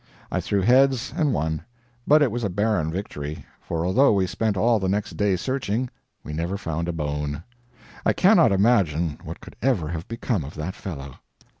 I threw heads and won, but it was a barren victory, for although we spent all the next day searching, we never found a bone. I cannot imagine what could ever have become of that fellow.